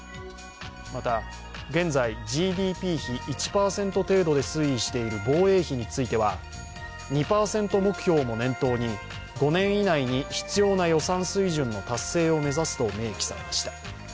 また、現在ＧＤＰ比１％程度で推移している防衛費については２％目標も念頭に５年以内に必要な予算水準の達成を目指すと明記されました。